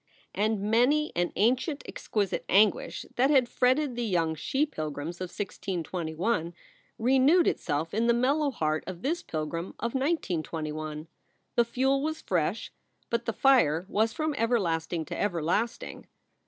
And many an ancient exquisite anguish that had fretted the young she Pilgrims of 1621 renewed itself in the mellow heart of this Pilgrim of 1921. The fuel was fresh, but the fire was from everlasting to everlasting.